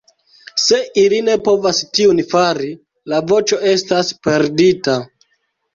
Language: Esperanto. Se ili ne povas tiun fari, la voĉo estas perdita.